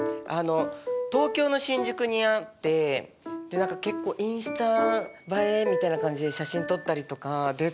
東京の新宿にあって結構インスタ映えみたいな感じで写真撮ったりとかデート